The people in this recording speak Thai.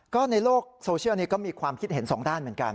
ก็ในโลกโซเชียลนี้ก็มีความคิดเห็นสองด้านเหมือนกัน